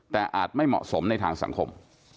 แต่อาจไม่เหมาะสมในทางสังคม